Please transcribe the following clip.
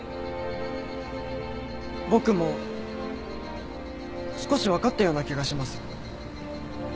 僕も少し分かったような気がします。